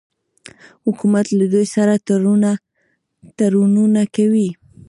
حکومت له دوی سره تړونونه کوي.